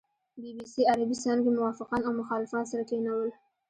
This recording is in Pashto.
بي بي سي عربې څانګې موافقان او مخالفان سره کېنول.